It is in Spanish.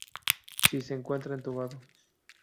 Si se encuentra entubado.